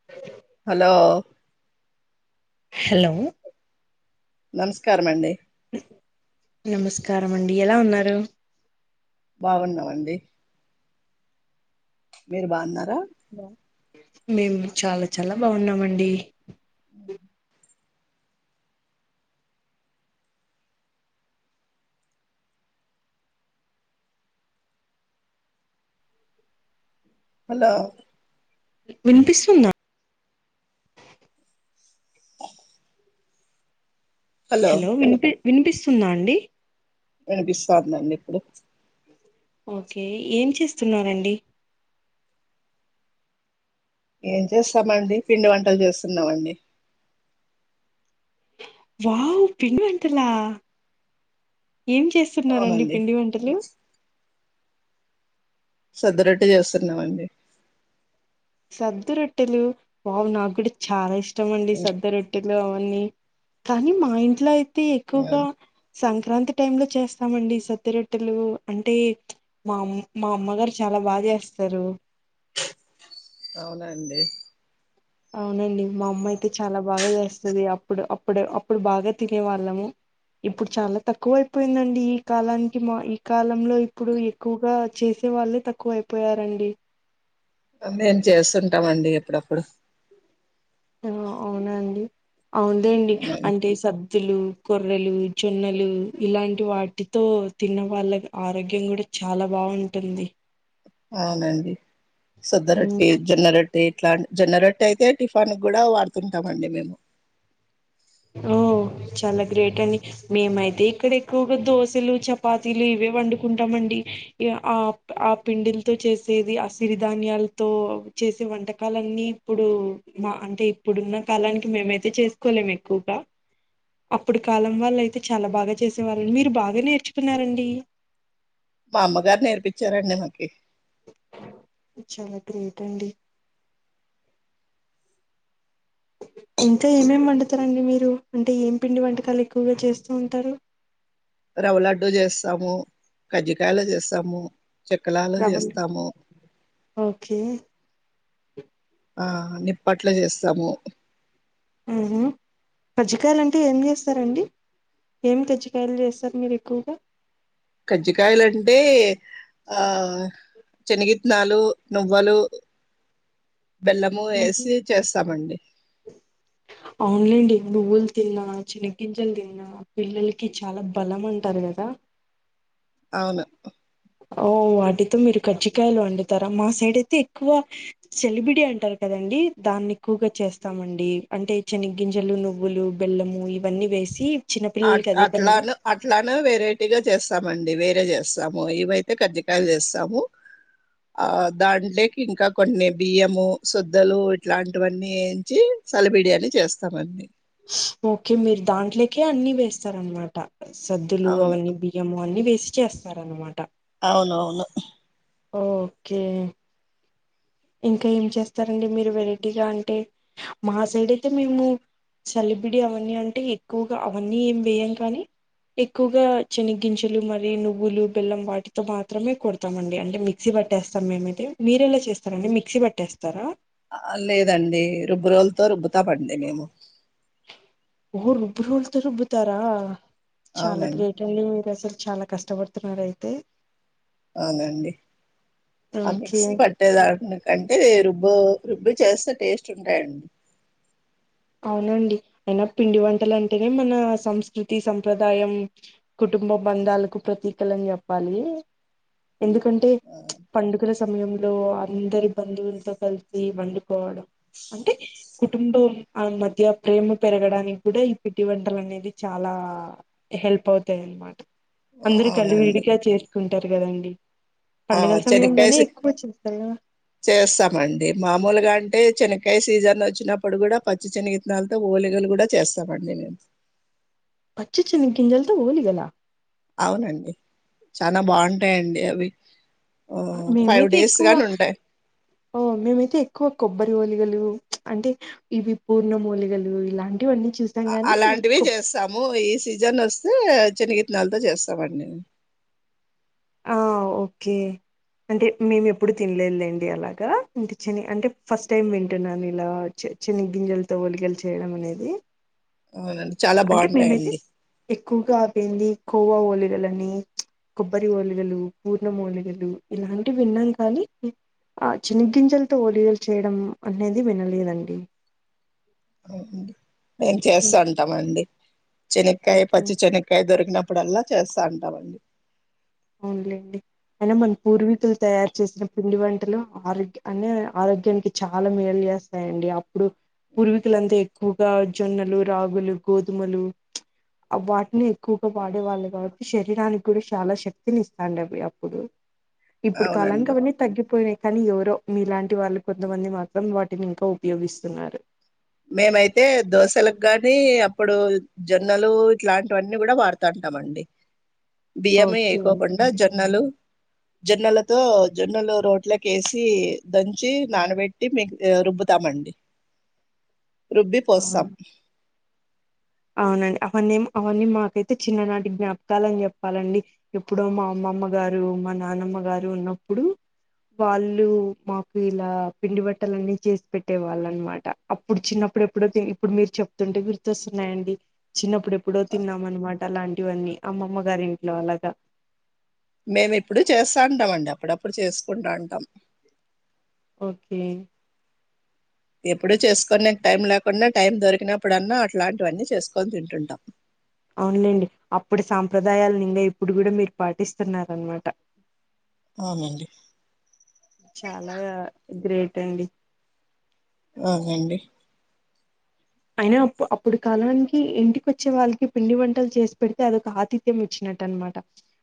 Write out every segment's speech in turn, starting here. అ hello hello నమస్కార అండి నమస్కారం అండి ఎలా ఉన్నారు బాగున్నాము అండి మీరు బాగున్నారా మేము చాలా చాలా బాగున్నామండి హలో వినిపిస్తుందా హలో వినిపి వినిపిస్తుందా అండి వినిపిస్తంది అండి ఇప్పుడు ఓకే ఏం చేస్తున్నండి ఏం చేస్తామండి పిండి వంటలు చేస్తున్నామండి వావు పిండి వంటలా ఏం చేస్త చూస్తున్నారండి అవునండి పిండి వంటలు సద్ద రొట్టె చేస్తున్నామండి సద్దరొట్టెలు వావ్ నాకు కూడా చాలా ఇష్టం ఇష్టమండి సద్ద రొట్ట లోవన్నీ కానీ మా ఇంట్లో అయితే ఎక్కువగా సం క్రాంతి టైంలో చేస్తామండి సత్తిరొట్టెలు అంటే మా అమ్ మా అమ్మగారు చాలా బాగా చేస్తారు అవునా అండి అవునండి మా అమ్మ అయితే చాలా బాగా చేస్తుంది అప్పుడు అప్పుడు అప్పుడు బాగా తినే వాళ్ళము ఇప్పుడు చాలా తక్కువ అయిపోయిందండి ఈ కాలానికి మా ఈ కాలంలో ఇప్పుడు ఎక్కువగా చేసే వాళ్ళే తక్కువ అయిపోయారండి మేం చేస్తుంటామ అండి ఎప్పుడప్పుడు ఆ అవునాండి అవుదండి అవునండి అంటే సద్ వత్తులు కొర్రలు జొన్నలు ఇలాంటి వాటితో తిన్న వాళ్ళ ఆరోగ్యం కూడా చాలా బాగుంటుంది అవునడి ఉమ్, సద్దరెట్టి జొన్న రెట్టి అే ఇట్లా జన్నరెట్ అయితే టిఫాన్ కూడా వాడుతుంటాం అండి మేము ఓ చాలా గ్రేట్ అండి మేమైతే ఇక్కడ ఎక్కువగా దోశలు చపాతీలు ఇవే వండుకుంటామ అండి ఆ ఆ పిండిలతో చేసేది ఆ సిరిధాన్యాలతో చేసే వంటకాలన్నీ ఇప్పుడు మా అంటే ఇప్పుడున్న కాలానికి మేమైతే చేసుకోలేము ఎక్కువగా అప్పుడు కాలం వాళ్ళు అయితే చాలా బాగా చేసే వాళ్ళం మీరు బాగా నేర్చుకున్నారండి మా అమ్మగారు నేర్పించారండి మనకి చాలా గ్రేట్ అండి ఇంకా ఏమేం వడుతారండి మీరు అంటే ఏం పిండి వంటకాలు ఎక్కువగా చేస్తూ ఉంటారు రవ లడ్డూ చేస్తాము కజ్జికయలు చేస్తాము చకలాలు రవ్వ చేస్తాము ఓకే ఆ నిప్పట్ల చేస్తాము పజ్జికాయలు అంటే ఏం చేస్తారంండి ఏమి తజ్జికయలు చేస్తారు మీరు ఎక్కువగా కజ్జికాయలుంటే ఆ శనగిత్తనాలు నువ్్వలు బెల్లము వేసి చేస్తామండి అవునులేండి నుువ్వులు తిన్నా చిన్న గంజలు తిన్నా పిల్లలకి చాలా బలం అంటారు కదా అవును వాటితో మీరు కజజికయలు వండుతారా మా సైడ్ అయితే ఎక్కువ సలబిడి అంటారు కదండి దాన్ని ఎక్కువగా చేస్తామండి అంటే శనగ గింజలు నువ్వులు బెల్లము ఇవన్నీ వేసి అ చిన్నపిల్లలకి అదే పనిగా అట్లాను అట్లానే వెరైటీగా చేస్తను ండి వేరే చేస్తాము ఇవయితే కజ్జకాయలు చేస్తాము ఆ దాంట్లోకి ఇంకా కొన్ని బియ్యము శుద్దలు ఇట్లాంటివన్నీ వంచి చలబిడియాని చేస్తామండి ఓకే మీరు దాంట్లోకే అన్ని వేస్తార అనమాట సద్దులు అవును అవన్నీ బియ్యము అన్నీ వేసి చేస్తార అనమాట అవును అవును ఓకే ఇంకా ఏం చేస్తారంండి మీరు వెరైటీగా అంటే మా సైడ్ అయితే మేము సెలబ్రిటీ అవన్నీ అంటే ఎక్కువగా ఇంకా ఏం చేస్తారండీ మీరు వెరైటీగా అంటే మా సైడ్ ఐతే మేము చాలాబిడి అవన్నీ ఏం వేయాం కానీ ఎక్కువగా శన గింజలు మరియు నువ్వులు బెల్లం వాటితో మాత్రమే కొడతాం అండి అంటే మిక్సీ పట్టేస్తాం మేమైతే మీరేలా చేస్త సరే అండి మిక్సీ పట్టేస్తారా లేదండి రుబ్బు రోజులతో రుబ్బుతా పండి మేము ఊ రబరు వాళ్ళుతో రూబ్బుతారా చాలా అవునండి గ్రేట్ అడి మీరుసలు చాలా కష్టపడుతున్నారుార అయితే అనండి ఆ ఓకే మిక్సి పట్టేద అంటే రుబ్బు రుబ్బు చేస్తే టేస్ట్ ఉంటాయండి అవునండి అయినా పిండి వంటల అంటేనే మన సంస్కృతి సంప్రదాయం కుటుంబ బంధాలకు ప్రతీకలుని చెప్పాలి ఎందుకంటే ఆ, పండుగల సమయం లో అందరి బంధువులతో కలిసి మం పోవడం అంటే కుటుంబ ఆ మధ్య ప్రేమ పెరగడానికి కూడా ఈ పిట్టి వంటలు అనేది చాలా హెల్ప్ అవుతాయి అన్నమాట అందరు కలిు అవునండి వీడిక చేర్ కుంటారు కదండి ఆ పండుగల సమయంలోనే శనక్కేసి ఎక్కువ చేస్తారు కదా చేస్తామండి మామూలుగా అంటే శన ఇంకాయ సీజన్ వచ్చినప్పుడు కూడా పచ్చి చిిన విత్నాలతో ఓలిగలు కూడా చేస్తామండి మేము పచ్చిచ్చినింకిింజల్తో పోోలి గల అవునండి చాలా బాగుంటాయంండి అవి ఫైవ్ మేమైతే డేస్ ఎక్కువ గాని ఉంటాయి ఓ మేమైతే ఎక్కువ కొబ్బరి లి అంటే ఇవి పూర్ణ మూలికలు ఇలాంటివన్నీ చూసాం గాని అలాంటివి కొ చేస్తాము ఈ సీజన్ వస్త ే శనగిత్తనాలతో చేస్తామండి ఓకే అంటే మేము ఎప్పుడు తినలేదులేండి అలాగా అంటే చిని అంటే ఫస్ట్ టైం వింటున్నాను ఇలా చిన్న గింజలతో ఒలిగలు చేయడం అనేది అవునండి చాలా అంటే మేమైతే బాగుంటాయండి ఎక్కువగా అపోయింది కోవా ఓలిలన్నీ కొబ్బరి ఓలిగలు పూర్ణం లిగలు ఇలాంటివి విన్నాం కానీ ఆ చిన్న గింజలతో ఓలిగలు చేయడం అనేది వినలేదండి అవు అఓకే మేం చేస్తా హ్మ్. ఉంటామ అండి చెనక్కకాయ ఓకే పచ్చి చెనక్కకాయ దొరికిన అప్పుడలా చేస్తా ఉంటామండి అవునులేండి అయినా మన పూర్వీకులు తయారు చేసిన పిండి వంట ఆరోగ్య అనే ఆరోగ్యానికి చాలా మేలు చేస్తాయండి ఇప్పుడు పూర్వీకులంతా ఎక్కువగా జొన్నలు రాగులు గోధుమలు వాటిని ఎక్కువగా వాడే వాళ్ళు కాబట్టి శరీరానికి కూడా చాలా శక్తి తినిస్తాండ అప్పుడు ఇప్పుడు కాలానికి అవునండి అవన్నీ తగ్గిపోయాయి కానీ ఎవరో మీలాంటి వాళ్ళు కొంతమంది మాత్రం వాటిని ఇంకా ఉపయోగిస్తున్నారు మేమైతే దోశలకు గానీ అప్పుడు జొన్నలు ఇట్లాంటివన్నీ కూడా వాడుతాంటామ అండి బియ్యమే ఓకే అయికోకుండా జొన్నలు జొన్నలతో జొన్నలు రోట్లక వేసి దంచి నానబెట్టి మీకు రుబ్బుతామండి రుబ్బి పోస్తాం అవును అవునండి అవన్న ఏం అవన్నీ మాకైతే చిన్ననాటి జ్ఞాపకాాలని చెప్పాలండి ఎప్పుడో మా అమ్మమ్మ గారు మా అవును అ అవియాన్నీ మాకు ఐతే చిన్ననాటి జ్ఞాపకాలు అండి మా అమ్మమ గారు నాన్నమ్మ గారు ఉన్నప్పుడు వాళ్ళు మాకు ఇలా పిండి బట్టలన్నీ చేసి పెట్టే వాళ్ళ అనమాట అప్పుడు చిన్నప్పుడు ఎప్పుడో ఇప్పుడు మీరు చెప్తుంటే గుర్తొస్తు న్నాయండి చిన్నప్పుడు ఎప్పుడో తిన్నాం అనమాట అలాంటి ఇవన్నీ అమ్మమ్మ గారి ఇంట్లో అలాగా మేమి ఇప్పుడు చేస్తాంటాం అండి అప్పుడప్పుడు చేసుకుంటాంటాం ఒకే ఎప్పుడు చేసుకోనికు టైం లేకుండా టైం దొరికినప్పుడున్నా అట్లాంటివన్నీ చేసుకొని తింటుంటాం అవునులేండి అప్పుడు సాంప్రదాయాలను ఇంకా ఇప్పుడు కూడా మీరు పాటిస్తున్నారనమాట అవునండి చాలా ఇద్దరేటండి అవునండి అయినాప్పు అప్పుడు కాలానికి ఇంటికి వచ్చే వాళ్ళకి పిండి వంటలు చేసి పెడితే అదొక ఆతిథ్యం వచ్చినట్టు అనమాట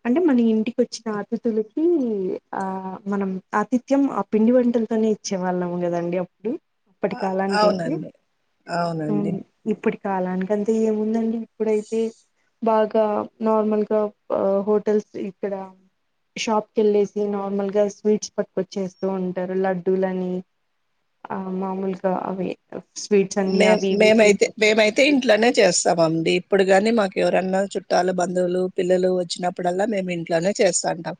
అంటే మన ఇంటికిచ్చిన ఆతిథులకి ఆ మనం ఆతిథ్యం ఆ పిండి వంటలతోనే ఇచ్చే వాళ్ళము కదండి అప్పుడు అప్పటి కాలానికైతే అవునండి అవును అండి కాలానికింతే ఏముందండి ఇప్పుడైతే బాగా నార్మల్గా హోటల్స్ ఇక్కడ షాప్కి వెళ్ళేసి నార్మల్ గా స్వీట్స్ పట్టుకొచ్చేస్తూ ఉంటారు లడ్డూలని ఆ మామూలుగా అవి స్వీట్స అన్ని మే యా మేమైతే మేమైతే ఇంట్లోనే చేస్తాము అండి ఇప్పుడు కాని మాకు ఎవరన్నా చుట్టాలు బంధువులు పిల్లలు వచ్చినప్పుడల్లా మేము ఇంట్లోనే చేస్తంటాం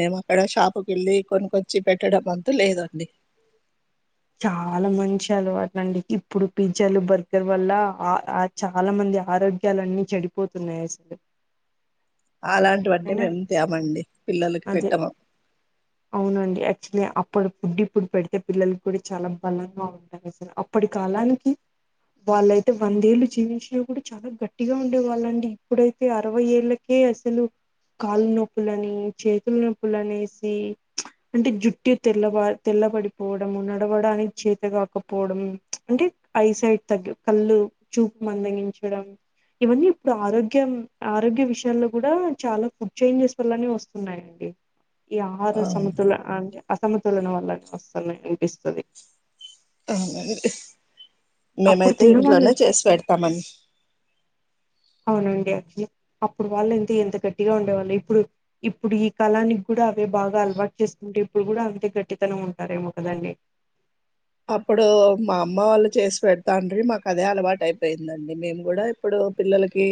మేము అక్కడ షాపుకి వెళ్ళి కొనికొచ్చి పెట్టడం అంత లేదండి చాలా మంచి అలవాటు అండి ఇప్పుడు పిజ్జాలు బర్గర్ వల్ల ఆ చాలా మంది ఆరోగ్యలు అన్ని చెడిపోతున్నాయి అసలు అలాంటి వడ్డీ అవునా మేం తేమండి పిల్లలకి అదే పెట్టము ఇప్పుడు ఫుడ్డి ఇప్పుడు పెడితే పిల్లలు కూడా చాలా బలంగా ఉంటారు అసలు అప్పటి కాలానికి వాళ్ళయితే వందేళ్ళు జీవించినా కూడా చాలా గట్టిగా ఉండే వాళ్ళండి ఇప్పుడైతే అరవై ఏళ్ళకే అసలు కాళ్లు నొప్పులని చేతుల నొప్పుల అనేసి అంటే జుట్టు తెల్లబ తెల్లబడిపోవడం నడవడానికి చేత కాకపోవడం అంటే ఐ సైడ్ తగ్ కళ్ళు చూపు మందగించడం ఇవన్నీ ఇప్పుడు ఆరోగ్యం ఆరోగ్య విషయాల్లో కూడా చాలా ఫుడ్ చేంజెస్ వల్లనే వస్తున్నాయండి ఈ ఆరు ఆ సమతుల అ అసమతులన వల్లనే వస్తున్నాయి ఇస్తపతి అవును అప్పుడు మేమైతే తిన్నవాళ్ళు ఇంట్లోనే చేసి పెడతామని అవునండి అప్పుడు వాళ్ళయితే ఎంత గట్టిగా ఉండేవాళ్ళు ఇప్పుడు ఇప్పుడు ఈ కాలానికి కూడా బాగా అలవాటు చేసుకుంటే ఇప్పుడు కూడా అంతే గట్టితనం ఉంటారెమో కదండి అప్పుడు మా అమ్మ వాళ్ళు చేసి పెడతండ్రి మాకు అదే అలవాటు అయిపోయిందండి మేము కూడా ఇప్పుడు పిల్లలకి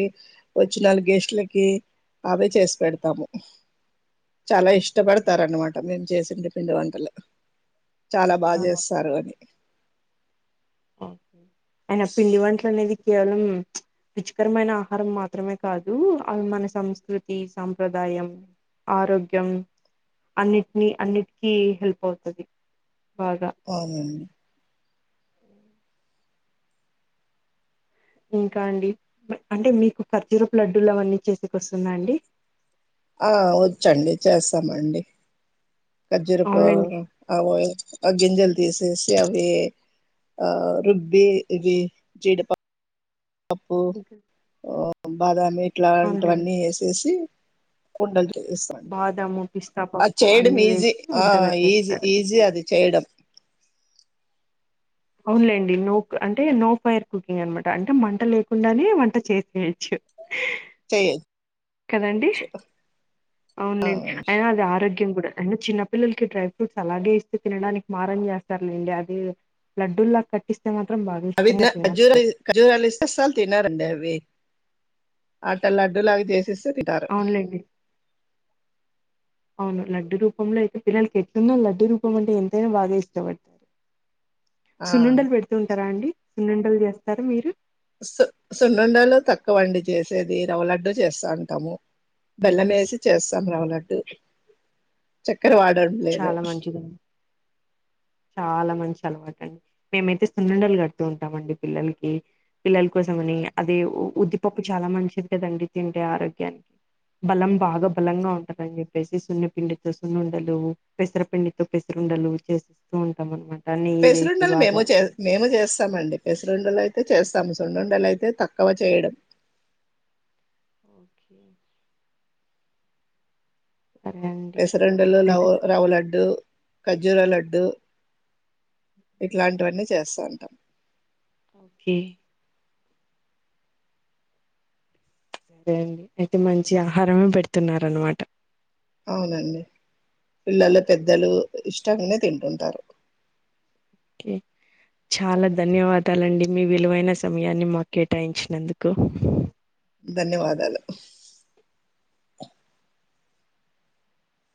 వచ్చిన గేస్టులకి అవే చేసి పెడతాము చాలా ఇష్టపడతారున్నమాట మేము చేసే పిండి వంటలు చాలా ఆ బాజెస్ ఓకే అయన పిండి వంటలు అనేది కేవలం రుచికరమైన ఆహారం మాత్రమే కాదు అవి మన సంస్కృతి సాంప్రదాయం ఆరోగ్యం అన్నిటీని అన్నిటికీ హెల్ప్ అవుతుంది అవునండి ఇంకా అండి అంటే మీకు ఖర్జూరపు లడ్డూలు అవన్నీ చేసికి వస్తుందా అండి ఆ వచ్చండి చేస్తామండి ఖర్జూరపు అవునండి అమ అ జింజలు తీసేసి అవి ఆ రుబ్బి ఇవి జీడిప అప్పు ఇంకా ఆ బాగానే అవునులేండి ఇట్లాంటవన్నీ ఎసేసి ఉండల్ ఈ సమ్ బాదాము పిస్తా అది పప్పు చేయడం అన్ని ఈజి వేసి ఆ ఈజి వంటగట్టేస్తారు ఈజి అది చేయడం అవున్లేండి నోక్ అంటే నో ఫైర్ కుకింగ్ అనమాట అంటే మంట లేకుండానే వంట చేసేయచ్చు చేయ కదండి అవులే అయినా అది ఆరోగ్యం కూడా అయినా చిన్నపిల్లలకి డ్రై ఫ్రూట్స్ అలాగే ఇస్తే తినడానికి మారం చేస్తారులేండి అది లడ్డూల్లా కట్టిస్ అవి న ఖర్జూర వేస్ ఖర్జూరలేస్తే అస్సలు తినరండి అవి ఆట్ట లడ్డూ లాగా చేసిస్ తొ తిటారు అవునులేండి. అవును లడ్డు రూపంలో అయితే పిల్లలకి ఎట్టుందో లడ్డు రూపం అంటే ఎంతైనా బాగా ఇష్టపడత ఆ సున్నండలు పెడుతుంటారా అండి సున్నండలు చేస్తరు మీరు సు సున్నండలు తక్కువ అండి చేసేది రవలడ్డు చేస్తా ఉంటాము బెల్లం వేసి చేస్తాము రవలడ్డు క్కర వాడడంలేదు చాలా మంచిదండి. చాలా మంచి అలవాటండి మేమైతే సున్నుండలు కడుతూ ఉంటామండి పిల్లలకి పిల్లల కోసం అని అదే ఉద్దిపప్పు చాలా మంచిది కదండి తింటే ఆరోగ్యానికి బలం బాగా బలంగా ఉంటందని చెప్పేసి సున్నిపిండితో సున్నుండలు పెసరపిండితో పెసరుండలు చే ఊ ఉంటాం అనమాట పెసిరుండలు మేము చే మేము చేస్తామ్ అండి పెసిరుండలు అయితే చేస్తాము సున్నుండలు అయితే తక్కవ చేయడం ఓకే సరే అండి పెసరుండలు అయితే లవ రవ లడ్డు ఖర్జూర లడ్డు ఇట్లాంటివన్నీ చేస్తూ ఉంటాం ఒకే అయితే మంచి ఆహారమే పెడుతున్నారన్నమాట అవునండి పిల్లల పెద్దలు ఇష్టం గానే తింటుంటారు ఓకే చాలా ధన్యవాదాలండి మీ విలువైన సమయాన్ని మాకు కేటాయించినందుకు ధన్యవాదాలు